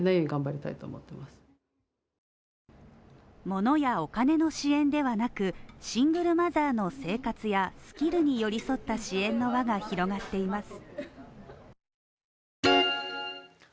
物やお金の支援ではなく、シングルマザーの生活やスキルに寄り添った支援の輪が広がっています